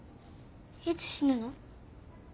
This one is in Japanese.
いつ死ぬの？